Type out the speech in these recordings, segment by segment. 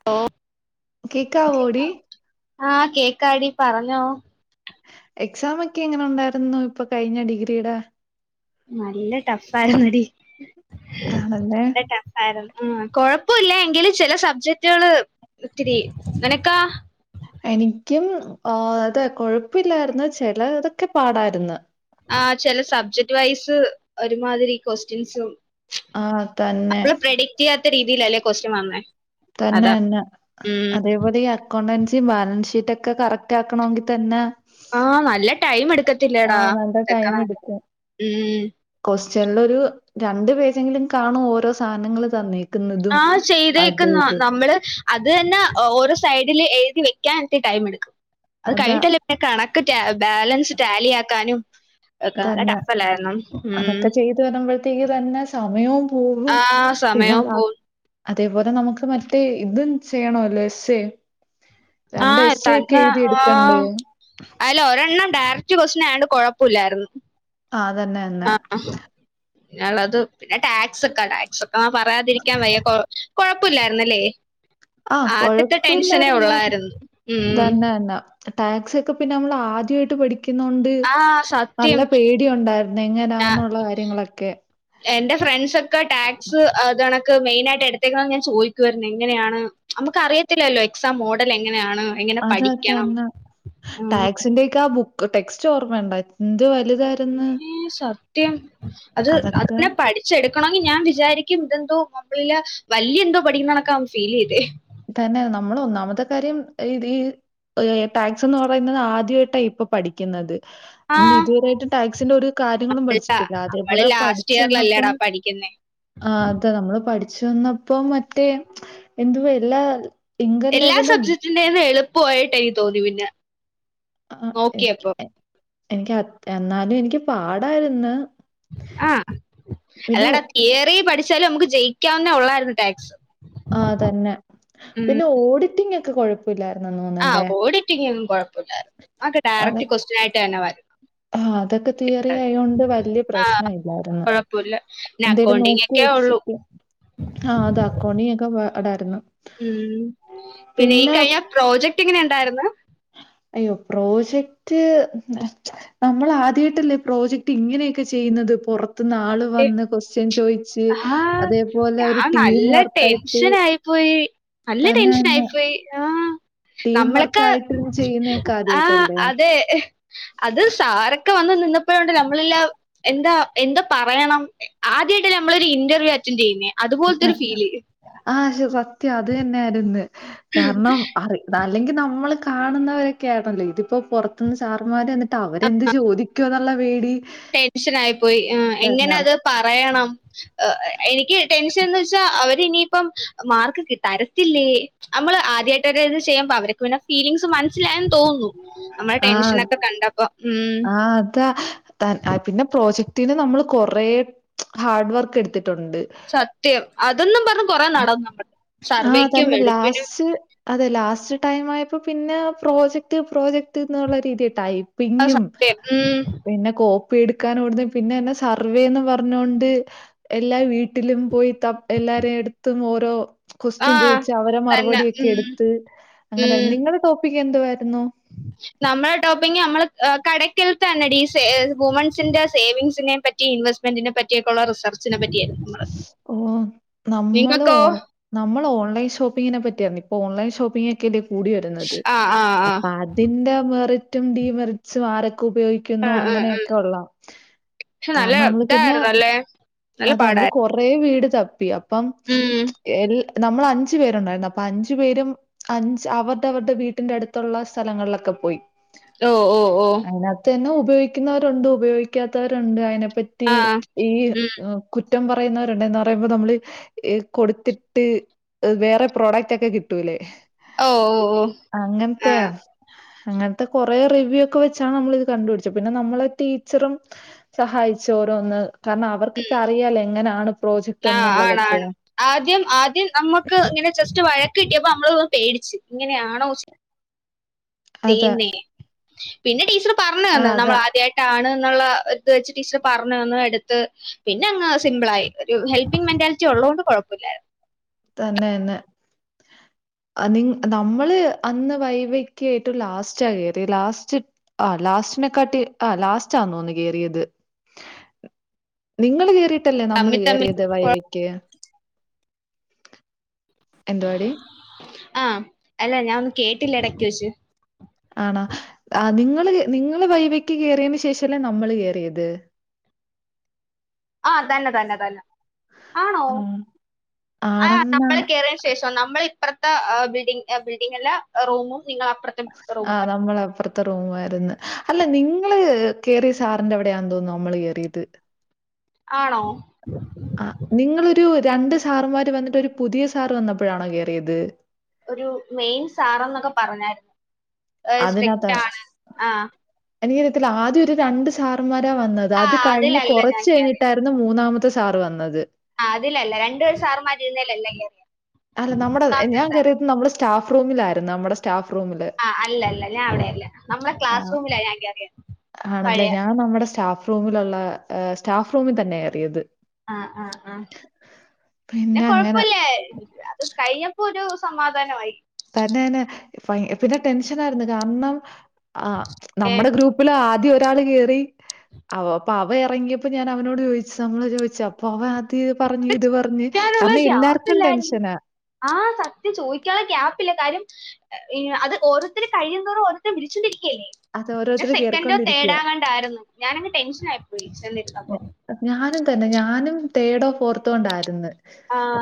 [inaudible] കേക്കാവോടി ആഹ് കേക്കാടി പറഞ്ഞോ എക്സാം ഒക്കെ എങ്ങനെ ഉണ്ടായിരുന്നു ഇപ്പൊ കഴിഞ്ഞ ഡിഗ്രിടെ നല്ല ടഫ് ആരുന്നടി ആണല്ലേ ടഫ് ആരു കൊഴപ്പില്ല എങ്കില് ചില സബ്ജക്ടുകള് ഇത്തിരി നിനക്കാ എനിക്കും ആ അതെ കൊഴപ്പില്ലായിരുന്ന ചില ഇതൊക്കെ പാടാരുന്നു ആ ചില സബ്ജക്ട് വൈസ് ഒരുമാതിരി കൊസ്റ്റ്യൻസും ആഹ് തന്നെ കിയാത്ത രീതിയിയിലല്ലേ കൊസ് സ്റ്റ്യൻ വന്നേ തന്നെ അതാ തന്നെ അ ഉം അതേപോലെ ഈ അക്കൗണ്ടൻസി ബാലൻസ് ഷീറ്റ് ഒക്കെ കറക്റ്റ് ആക്കണമെങ്കിൽ തന്നെ ആ നല്ല ടൈം ആ, എടുക്കത്തില്ലേടാ നല്ല അക്ക മ് കൊസ്റ്റ്യനൽ ഒരു രണ്ട് പേജെങ്കിലും കാണും ഓരോ സാനങ്ങൾ തന്നീ ആഹ് ചെയ്തേക്കുന്ന നമ്മള് അത് തന്നെ ഓരോ സൈഡിൽ എഴുതി വെക്കാനായിട്ട ടൈം എടുക്കും അത് അതാ കഴിഞ്ഞിട്ടല്ലേ കണക്ക് ട ബാലൻസ് ടാലിയ ആാക്കാനും ക്ക നല്ല തന്നെ ടഫല്ലായിരുന്നു മ് [unintelligible] വരുമ്പോഴത്തേക്ക് തന്നെ സമയവും പോകും ആ! പിന്നെ സമയവും ബാ പോവും. അതേപോലെ നമുക്ക് മറ്റേ ഇതും ചെയ്യണല്ലോ എസ്എ ആ ത്തന്നെ ആഹ് എടുക്കണ്ടേ? അയല് ഒരെണ്ണം ഡയറക്റ്റ് ക്വസ്റ്റ്യൻ ആയോണ്ട് കൊഴപ്പോല്ലായിരുന്നു ആ അതന്നെ ന്നെ നളത് പിന്നെ ടാക്സ് ഒക്കെ ടാക്സ് അ പറയാതിരിക്കാൻ വയ്യ കുഴപ്പമില്ലായിരുന്നല്ലേ ആ ആദ്യത്തെ ടെൻഷനെ കൊഴപ്പില്ലായിരുന്നു. ഉള്ളായിരുന്നു മ് തന്നെ തന്നെ. ടാക്സ് ഒക്കെ പിന്നെ നമ്മൾ ആദ്യമായിട്ട് പഠിക്കുന് ആ നല്ല സത്യം. പേടി ഉണ്ടായിന്നു എങ്ങനാന്നുള്ള കാര്യങ്ങളൊക്കെ എന്റെ ഫ്രണ്ട്സ് ഒക്കെ ടാക്സ് അതണ [unintelligible] മെയിനായിയിട്ട് എടുത്തേക്കണെ ഞാൻ ചോദിക്കുരുന്ന് എങ്ങനെയാണ് നമുക്ക് അറിയത്തില്ലല്ലോ എക്സാം മോഡൽ എങ്ങനെയാണ് എങ്ങനെ അതാ പഠിക്കണം? തന്നെ ഉം. ടാക്സിന്റെക്ക ആ ബുക്ക് ടെക്സ്റ്റ് ഓർമ്മണ്ടോ എന്ത് വലുതായിരു ഏ സത്യം അത് അതൊക്കെ അ പഠി ശെ എടുക്കണെങ്കിൽ ഞാ വിചാരിക്കും ഇതെന്തോ മോബീല് വല്യ എന്തോ പഠിക്കുന്നണൊക്കെ ഫീൽ ചെയ്തേ തന്നെ നമ്മളന്നാമത്തെ കാര്യം ഈ ടാക്സ് എന്ന് പറയുന്നത് ആദ്യമായിട്ടാ ഇപ്പൊ പഠിക്കുന്നത് ആ നമ്മൾ ഇതുവരായിട്ട് ടാക്സിന്റെ ഒരു കാര്യങ്ങളും അല്ല പഠിച്ചിട്ടില്ല നമ്മള് അതേപോലെ ലാസ്റ്റ് പഠിച്ചു വന്നപ്പോം ഇയറിലല്ലേടാ പഠിക്കുന്നേ ആ അതെ നമ്മള് പഠിച്ചു വന്നപ്പോ മറ്റേ എന്തു എല്ലാ ഇൻകം എല്ലാ ലെവലും സബ്ജക്ടിന്റെന്ന് എളുപ്പമായിട്ട് എനി തോന്നി പിന്നെ ആ എനിക്ക് നോക്കിയപ്പോ എനിക്ക് എന്നാലും എനിക്ക് പാടായിന്ന് ആ അല്ലാടാ തിയറി പഠിച്ചാലും നമുക്ക് ജയിക്കാവുന്ന ഉള്ളായിരുന്നു ടാക്സ് ആ തന്നെ പിന്നെ ഓഡിറ്റിംഗ് ഒക്കെ കൊഴപ്പോല്ലായിന്നന്ന് ആഹ് ഓഡറ്റിംഗ് ഒന്നും കുഴപ്പമില്ലായിരുന്നു ആക്കെ ഡയറക്ട് ക്വസ്റ്റൻ ആയിട്ട് തന്നെ വരും ആ അതൊക്കെ തിയറി ആയോണ്ട് വലിയ ആ പ്രശ്ന ഇല്ലായിരുന്നു കുഴപ്പമില്ല പിന്നെ എന്തേലും അക്കൗണ്ടിങ് നോക്കി ഒക്കെ ഉള്ളു വെച്ചിട്ട് ആഹ് അത [unintelligible] ഒക്കെ [unintelligible] ഉം പിന്നെ ഈ കഴിഞ്ഞ പ്രോജക്ട് എങ്ങനെ ഉണ്ടാരുന്നു? അയ്യോ പ്രോജക്റ്റ് നമ്മൾ ആദ്യമായിട്ടല്ലേ പ്രോജക്ട് ഇങ്ങനെയൊക്കെ ചെയ്യുന്നത് പുറ ത്ത് നാള് ഈ വന്ന് ക്വസ്റ്റ്യൻ ചോയിച്ച് ആഹ് അതേപോലെ ഒരു ഞാൻ ടീം നല്ല വർക്കായിട്ട് നല്ലെ ടെൻഷൻ അയി തന്നെന്നെ പോയി ആഹ് ടീം നമ്മളൊക്കെ വർക്കായിട്ടിരുന്ന് ചെയ്യുന്നതൊക്കെ ആഹ് ആദ്യായിട്ടല്ലേ? അതെ, അത് സാറൊക്കെ വന്ന് നിന്നപ്പോഴൊണ്ടല്ലൊ നമ്മളില്ല എന്താ എന്തപ പറയണം, ആദ്യമായിട്ട നമ്മളൊരു ഇന്റർവ്യൂ അറ്റൻഡ് ചെയ്യുന്നേ അതുപോലത്തൊരു ഫീല്. ആഹ് സത്യം അത് തന്നെയാരിന്ന് കാരണം [unintelligible] അല്ലെങ്കിൽ നമ്മള് കാണുന്നവരൊക്കെയാരുന്നല്ലോ ഇതിപ്പോ പുറത്തുനിന്ന് സാറമാര് വന്നി ട്ട് അവരെന്ത് ചോദിക്കുവന്നുള്ള പേടി ടെൻഷൻ ആയി പോയി ങഹ് എങ്ങനെ കാരണം അത് പറയണം ഏഹ് എനിക്ക് ടെൻഷൻ എന്ന് വെച്ചാ അവര് ഇനിയിപ്പം മാർക്ക് കി തരത്തില്ലേ? നമ്മള് ആദ്യമായിട്ട ഇത് ചെയ്യുമ്പോ അവർക്ക് പിന്നെ ഫീലിങ്സ് മന സിലായെന്നു തോന്നുന്നു നമ്മള ആഹ് ടെൻഷനൊക്കെ കണ്ടപ്പോ മഹ് ആഹ് അത ത പിന്നെ പ്രോജക്റ്റ്ന് നമ്മൾ കൊറേ ഹാർഡ് വർക്ക് എടുത്തിട്ടുണ്ട് സത്യം അതെന്നും പറഞ്ഞഞ് കൊറെേ നടന്ന് നമ്മൾ ആഹ് സർവേക്കും തന്നെ എടുപ്പിനും ലാസ്റ്റ് അതെ ലാസ്റ്റ് ടൈം ആയപ്പോ പിന്നെ പ്രോജക്ട് പ്രോജക്ട്ന്നുള്ള രീതിയട്ടായി അത് പിഞ്ഞും സത്യം ഉം പിന്നെ കോപ്പ് പ്പി എടുക്കാനിവിടന്ന് പിന്നെ എന്നെ സർവേന്ന് പറഞ്ഞോൊണ്ട് എല്ലാ വീട്ടിലും പോയി ത എല്ലാരെ എടുത്തും ഓരോ ആ ക്വസ്റ്റ്യൻ ചോയിച്ച് അവരെ തന്നെ മറുപടിയൊക്കെ ഉം എടുത്ത് അങ്ങനായിരുന്നു, നിങ്ങളുടെ ടോപ്പിക്ക് എന്തുവായിരുന്നു? നമ്മള ടോപ്പിങ് നമ്മൾ കടക്കൽ തന്നെ ഡീ വുമൻസിന്റെ സേവിങ്സിനെ പറ്റ് റ്റി ഇൻവസ്മെന്റിെനെ പറ്റിയൊക്കെയുള്ള റിസർച്ചിനെപ്പറ്റിയാരുന്നു ഓ നമ്മള് ഓൺ നമ്മൾ ഓൺലൈൻ ഷോപ്പിംഗിനെ പറ്റിയരുന്നു ഇപ്പൊ ഓൺലൈൻ ഷോപ്പിംഗൊക്കെയല്ലേ കൂടി വരുന്നത് ആ ആ ആ അപ്പ അത ഇതിന്റെ മെറിറ്റും ഡീമെറിറ്റ്സും ആരൊക്കെ ഉപയോഗിക്കു ആ ക്കുന്നു ആ ആ അങ്ങനെക്കെ ഉള്ള പക്ഷെ നല്ല കാരണം നമ്മള് പിന്നെ ഇതായിരുന്നല്ലേ നല്ല അതമ്മ പാടായിരുന്നു കൊറേ വീട് തപ്പി അപ്പം ഉം എൽ നമ്മൾ അഞ്ചു പേരുണ്ടായിരുന്നു അപ്പൊ അഞ്ചു പേരും അഞ്ച് അവർടവരുടെ വീട്ടിന്റെ അടുത്തുള്ള സ്ഥലങ്ങളിലൊക്കെ പോയി ഓഹ് ഓഹ് ഓഹ് അതിനകത്ത് തന്നെ ഉപയോഗിക്കുന്നവരുണ്ട് ഉപയോഗിക്കാത്തവരുണ്ട് അതിനെപ്പറ്റി ആ ഈ ഉം കുറ്റം പറയുന്നവരുണ്ടന്ന്പറയുമ്പോൾ നമ്മള് ഈ കൊടുത്തിട്ട് വേറെ പ്രോഡക്റ്റ് ഒക്കെ കിട്ടൂല്ലേ ഓഹ് ഓഹ് ഓഹ് അങ്ങനത്തെയാ അങ്ങനത്തെ കൊറെേ റിവ്യൂ ഒക്കെ വെച്ചാ നമ്മള ഇത് കണ്ടുപിടിച്ചത് പിന്നെ നമ്മളെ ടീച്ചറും സഹായിച്ച് ഓരോന്ന് കാരണം ഉം അവർക്കൊക്കെ അറിയാല്ലേ എങ്ങനെയാണ് പ്രോജക്ട് ആ എന്നുള്ളതൊക്കെ ആണാണ് ആദ്യം ആദ്യം നമ്മുക്ക് ഇങ്ങനെ ജസ്റ്റ് വഴക്ക് കിട്ടിയപ്പോ നമ്മളൊന്ന് പേടിച്ച് ഇങ്ങനെയാണോ അതെ. ചെയ്യൂന്നേ പിന്നെ ടീച്ചർ പറഞ്ഞു ആ തന്ന് നമ്മൾ അതാ. ആദ്യമായിട്ട് ട്ടാണ് എന്നുള്ള ഇത് വെച്ച് ടീച്ചർ പറഞ്ഞു വന്ന് എടുത്ത് പിന്നെ അങ്ങ് സിമ്പിളായി. ഒരു ഹെൽപ്പിംഗ് മെന്റാലിറ്റി ഒള്ളോണ്ട് കുഴപ്പമില്ലാരുന്നു. തന്നെ തന്നെ നിങ്‌ നമ്മള് അന്ന് വൈവക്ക് ഏറ്റവും ലാസ്റ്റാ കയറിയെ ലാസ്റ്റ് ആ ലാസ്റ്റിനെക്കാട്ടി ആ ലാസ്റ്റാന്നു തോനുന്നു കേറിയത്. നിങ്ങള് കേറിയിട്ടല്ലേ നമ്മള് തമ്മിൽ തമ്മിൽ കേറിയത് വൈവയ്ക്ക്? എന്തുവാടി? ആഹ് അല്ല ഞാാനൊന്നും കേട്ടില്ല ഇടക്ക് വെച്ചു ആണാ ആ നിങ്ങള് നിങ്ങള് വൈവക്ക് കയറിയന് ശേഷല്ലേ നമ്മള് കേയറിയത് ആ തന്നെ തന്നെ തന്നെ ആണോ ആ. ആ ആണെന്നാ നമ്മൾ കേറ ശേഷം നമ്മൾ ഇപ്പുത്തെ ബഡ ബിൽഡിങ്ങല്ല റൂമും നിങ്ങള് അപ്പുറത്തെ റൂമും ആഹ് നമ്മളെഅപ്രത്തെ റൂ ആരുന്നു അല്ല നിങ്ങള് കേറിയ സാറിന്റെ അവിടെയാ തോന്നുന്നു നമ്മള് കേയറിയത് ആണോ ആ നിങ്ങളൊരു രണ്ട് സാറമാര് വന്നിട്ട് പുതിയ സാർ വന്നപ്പോഴാണോ കേയറിയത് ഒരു മെയിൻ സാറന്നൊക്കെ പറഞ്ഞായിരുന്നു അതിനകത്താ സ്ട്രിക്റ്റ് ആനു അഹ് എനിക്കറിയത്തില്ല ആദ്യം ഒരു രണ്ട് സാറന്മാരാ വന്നത് അത് ആഹ് കഴിഞ്ഞ് അതിലല്ല ഞാൻ കുറച്ച് കഴിഞ്ഞിട്ട കേറിയത് മൂന്നാമത്തെ സാർ വന്നത് ആ അതില്ല രണ്ടപേർ സാർമാരുന്നേല്ലാ കേറിയത്‌ അല്ല നമ്മുടെ ഞാൻ കറിയത് നമ്മുടെ സ്റ്റാഫ് റൂമില ആയിരുന്നു നമ്മുടെ സ്റ്റാഫ് റൂമില് ആ അല്ലല്ല ഞാൻ അവിടെയല്ല നമ്മുടെ ആ ക്ലാസ് റൂമിലാണ് ഞാൻ കയറിയത് പഴയ അത് നമ്മുടെ സ്റ്റാഫ് റൂമിലുള്ള് സ്റ്റാഫ് റൂമിൽ തന്നെേറിയത് ആഹ് ആഹ് ആഹ പിന്നെ കൊഴപ്പില്ലേ കഴിഞ്ഞപ്പോ ഒരു സമാധാനമായി തന്നെനെ പിന്നെ ടെൻഷൻ ആയിരുന്നു കാരണം ആ ഏ നമ്മുടെ ഗ്രൂപ്പ് ഗ്രൂപ്പിൽ ആദ്യം ഒരാൾ കേയറി അവ അപ്പൊ അവ ഇറങ്ങിയപ്പോ ഞാൻ അവനോട് ചോദിച്ചു നമ്മള് ചോദിച്ച പോവാ ആദ്യ പറഞ് ഇത് പറഞ് ചോദിക്കാനുള്ള കാരണം എല്ലാർക്കും ടെൻഷനാ ആഹ സത്യ ചോദിക്കാനുള്ള ക്യാപ്പ് ഇല്ല കാര്യം അത് ഓരോതരു കഴിയുന്നോറും ഓരോരുതരേ വിളിച്ചുകൊണ്ടിരിക്കുകല്ലേ അത് ഞ ഓരോരുത്തര് സെക്കൻഡോ കേറിക്കൊണ്ടിരിക്കുവ. തേഡോങണ്ടോ യിരുന്നു ഞാനങ്ങ് ടെൻഷൻ ആയിപ്പോയി ചെന്ന് ഞ ഇരുന്നപ്പോ ഞാനും തന്നെ ഞാനും തേഡോ ഫോർത്തോ ഉണ്ടായിന്ന് ആഹ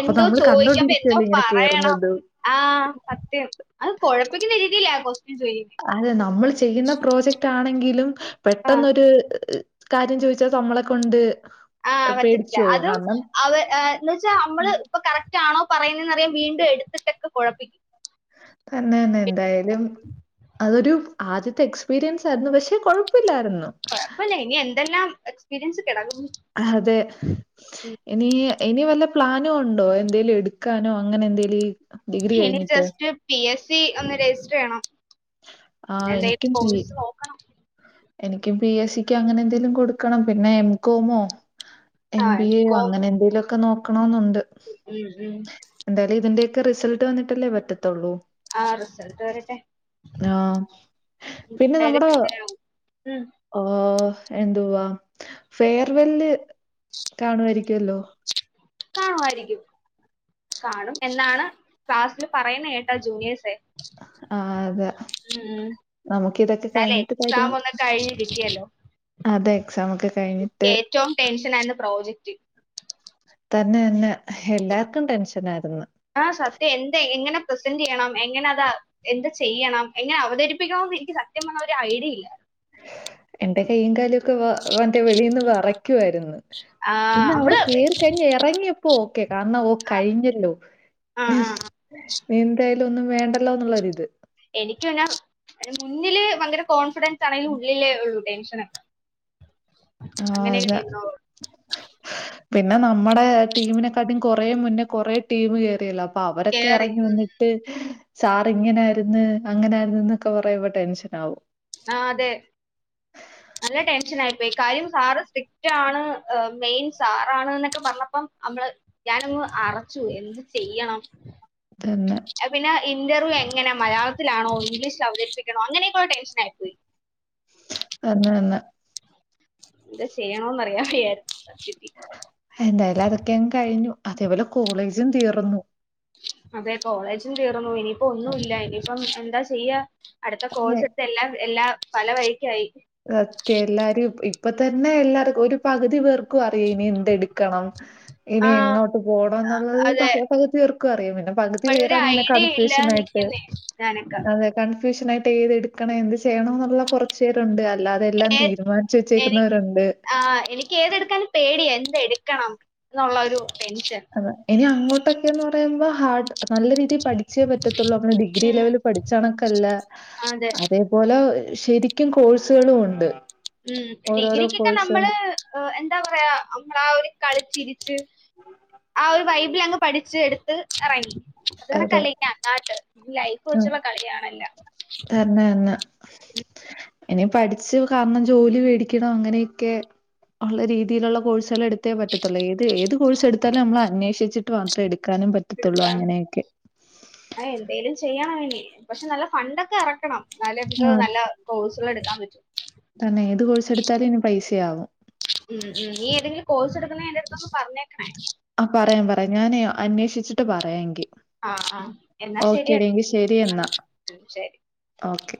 എന്തോ ചോദിക്ക്മ്പോ എന്തോ ഇങ്ങനെ പറയണം കേറുന്നത്. ആഹ സത്യം അത് കുഴപ്പിക്കുന്ന രിതിയില്ല കോസ്റ്റ ൻ ചോ അതെ നമ്മൾ ചെയ്യുന്ന പ്രോജക്റ്റ് ആണെങ്കിലും പെട്ടെന്നൊരു കാര്യം ചോദിച്ചാൽ നമ്മളൊക്കെണ്ട് ആഹ് പറ്റത്തില്ല അതും അവ എന്ന് വെച്ചാ നമ്മള് ഇപ്പൊ കറക്റ്റ് ആണോ പറയുന്നത്തന്ന്റിയാ വീണ്ടും എടുത്തിട്ടൊക്കെ കുഴപ്പിക്കും തന്നെന്നെ എന്തായാലും അതൊരു ആദ്യത്തെ എക്സ്പീരിയൻസ് ആരുന്നു പക്ഷെ കുഴപ്പില്ലായിരുന്നു കൊഴപ്പമില്ല ഇനി എന്തെല്ലാം എക്സ്പീരിയൻസ് കിടക്കുന്നു അതെ ഇനി ഇനി വല്ല പ്ലാനും ഉണ്ടോ എന്തെലും എടുക്കാനോ അങ്ങനെ എന്തെലും ഇനി ജസ്റ്റ് പി എസ് സി ഒന്ന് രജിസ്റ്റർ ചെയ്യണം പിന്നെ ആഹ് എന്തായാലും പോയിസ് നോക്കണം എനക്ക് പി എസ് സിക്ക് അങ്ങനെ എന്തെങ്കലും കൊടുക്കണം പിന്നെ എംകോമോ എം ആഹ് ബി എോ കോം അങ്ങനെ എന്തേങ്കലുമ ഒക്കെ നോക്കണെന്നുണ്ട് ഉം ഉം എന്തായാലും ഇതിന്റെക്കെ റിസൾട്ട് വന്നിട്ടല്ലേ പറ്റത്തുള്ളൂ ആ റിസൾട്ട് വരട്ടെ ആഹ പിന്നെ എന്തായാലും നമ്മുടെ എന്തരാവും ഉം എന്തുവാ ഫെയർവെല് കാണുമായിരിക്കുമല്ലോ കാണുമായിരിക്കും കാണും എന്നാണ് ക്ലാസ്സില് പറയുന്ന കേട്ടാ ജൂനിയേഴസെ ആ അതാ നമുക്ക് ഇതൊക്കെ എന്തായാലും കഴിഞ്ഞിട്ട് തരും എക്സാം ഒന്ന് കഴിഞ്ഞ് കിട്ടിയല്ലോ അതെ എക്സാം ഒക്കെ കഴിഞ്ഞിട്ട് ഏറ്റവും ടെൻഷൻ ആയിരുന്നു പ്രോജക്റ്റ് തന്നെ തന്നെ എല്ലാർക്കും ടെൻഷൻ ആയിരുന്നു ആഹ സത്യം എന്താ എങ്ങനെ പ്രസന്റ് ചെയ്യണം എങ്ങനെ അതാ എന്ത് ചെയ്യണം എങ്ങനെ അവതരിപ്പിക്കണന്ന് എനിക്ക് സത്യം പറഞ്ഞ ഒരു ഐഡിയയില്ല എന്റെ കയ്യും കാലും ഒക്കെ വ മറ്റേ വെളിൽന്ന് വെറുയ്ക്കുവായ്രുന്നു ആ, പിന്നെ അവിടെ നമ്മള് കേറി കഴിഞ് എ റങ്ങിയപ്പോ ഓക്കെ കാരണം ഓ കഴിഞ്ഞല്ലോ ആ, ഉം ആ, ആ. ഹ എനി ന്തായാലും ഒന്നും വേണ്ടല്ലോ എന്നുള്ളരി ഇത് എനിക്ക്ദ മുന്നില് ഭയങ്കര കോൺഫിഡൻസ് ആണെങ്കിലും ഉള്ളിലേ ഉള്ളൂ ടെൻഷന് ആഹ് അങ്ങനെ അതെ പേരുനോവോ പിന്നെ നമ്മുടെ ടീമിനെക്കാട്ടീം കൊറ മുന്നേ കൊറേ ടീമ കേയറിയല്ലോ അപ്പൊ അവരൊക്കെ കേറി ഇറങ്ങി ഉം. വന്നിട്ട് സാർ ഇങ്ങനയിരന്ന് അങ്ങനയിരന്ന എന്നൊക്കെ പറയുമ്പോ ടെൻഷൻ ആകും ആ അതെ നല്ല ടെൻഷൻ ആയിപ്പോയി കാര്യം സാറ് സ്ട്രിക്റ്റ് ആണ് മെയിൻ സാറാണ് എന്നൊക്കെ പറഞ്ഞപ്പം നമ്മള് ഞാനങ് അറച്ചു എന്ത് ചെയ്യണം തന്നെ അ പിന്നെ ഇന്റർവ്യൂ എങ്ങനെ മലയാളത്തിലാണോ ഇംഗ്ലീഷിൽ അവതരിപ്പിക്കണോ അങ്ങനെയൊക്കെ ടെൻഷൻ ആായി പോയി തന്നെ തന്നെ എന്താ ചെയ്യണോന്ന്റില [unintelligible] എന്തായാലും അതൊക്കെ അങ്ങ് കഴിഞ്ഞു അതേപോലെ കോളേജും തീർന്നു. അതെ കോളേജും തീർന്നു ഇനിയിപ്പോ ഒന്നും ഇല്ല ഇനിയിപ്പം എന്താ ചെയ്യാ അടുത്ത അതെ കോഴ്സ് എല്ലാം എല്ലാ പല വഴിക്ക ആയി സത്യ എല്ലാരും ഇപ്പൊ തന്നെ എല്ലാർക്കും ഒരു പകുതി പേർക്കും അറിയാം ഇനി എന്തടു ക്കണം ഇനി ആഹ് എങ്ങോട്ട് പോകണം എന്നുള്ളത് പ അതെ പകുതിവേർക്കും അറിയാം പിന്നെ പകുതി പേരാണ് ഇങ്ങനെ കൺഫ്യൂഷൻ ആയിട്ട് അ ഞാനക്ക് കൺഫ്യൂഷൻായിട്ട് ഏതെടുക്കണം എന്ത് ചെയ്യണ എന്നുള്ള കുറച്ച പേരുണ്ട് അല്ലാതെല്ലാം ഏ- തീരുമാനിച്ചു എനി വെച്ചേക്കുന്നവരുണ്ട് ആ എനിക്ക് ഏതെടുക്കാൻ പേടിയ എന്ത എടുക്കണം എന്നുള്ള ഒരു ടെൻഷൻ ഇനി അങ്ങോട്ടൊക്കെന്ന് പറയുമ്പോ ഹാർഡ് നല്ല രീതിയിൽ പഠിച്ചേ പറ്റത്തുള്ളൂ അവന ഡിഗ്രി ഉം ലെവൽ പഠിച്ചണൊക്കല്ല അതെ അതേപോലെ ശരിക്കും കോഴ്സുകളും ഉണ്ട് ഉം ഓരോരോ ഡിഗ്രിക്കൊക്കെ കോഴ്സും നമ്മള് എന്താ പറയാ നമ്മളാ ഒരു കളിച്ചിരി ആ ഒരു ബൈബിൾ അങ് പഠിച്ച് എടുത്ത് ഇറങ്ങി അത് അതെ കണക്കല്ല ഇനി അങ്ങാട്ട് ലൈഫ് വെച്ചുള്ള കളിയണല്ല എന്നന്നന്ന ഇനി പഠിച്ചു കാരണം ജോലി മേടിക്കണം അങ്ങനെയൊക്കെ ഉള്ള രീതിയിലുള്ള കോഴ്സുകൾ എടുത്തേ പറ്റത്തുള്ളൂ ഏത് ഏത് കോഴ്സ് എടുത്താലും നമ്മൾ അന്വേഷിച്ചിട്ട് മാത്രം എടുക്കാനും പറ്റ പറ്റത്തുള്ളൂ അങ്ങനെയൊക്കെ അ എന്തെലും ചെയ്യണംഇനി പക്ഷെ നല്ല ഫണ്ടൊക്കെ ഇറക്കണം എന്നാലെ ആ നമ്മക്ക് നല്ല കോഴ്സൾ എടുക്കാൻ പറ്റു തന്നെ ഏത് കോഴ്സ് എടുത്താലും ഇനി പൈസയാവും ഉം ഉം നീ ഏതെങ്കിലും കോഴ്സ് എടുക്കുന്നെ എന്റടുത്തു പറഞ്ഞേക്കണേ ആ പറയാം പറയാം ഞാനെ അന്വേഷിച്ചിട്ട് പറയാ എങ്കിൽ ആഹ് ആഹ് എന്നാ ശരിയ എന്നാ. ശരി ഓക്കെ.